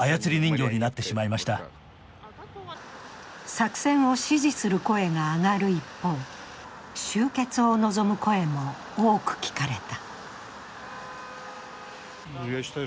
作戦を支持する声が上がる一方、終結を望む声も多く聞かれた。